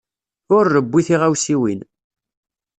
Ur rewwi tiɣawsiwin.